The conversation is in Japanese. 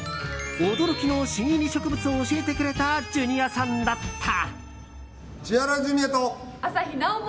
驚きの新入り植物を教えてくれたジュニアさんだった。